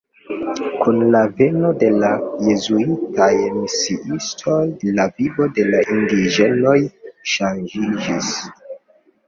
Kun la veno de la jezuitaj misiistoj la vivo de la indiĝenoj ŝanĝiĝis.